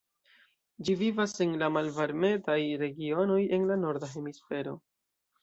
Ĝi vivas en la malvarmetaj regionoj en la norda hemisfero.